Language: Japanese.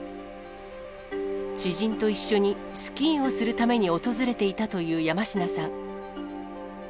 知人と一緒にスキーをするために訪れていたという山科さん。